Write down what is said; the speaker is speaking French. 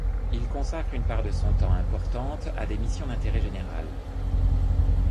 Il consacre une part de son temps importante à des missions d'intérêt général.